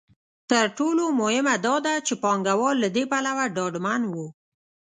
تر ټولو مهمه دا ده چې پانګوال له دې پلوه ډاډمن وو.